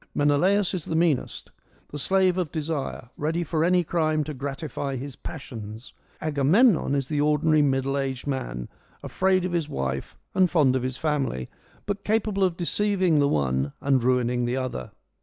Menelaus is the meanest : the slave of desire, ready for any crime to gratify his passions. Agamemnon is the ordinary middle aged man, afraid of his wife H2 FEMINISM IN GREEK LITERATURE and fond of his family, but capable of deceiving the one and ruining the other.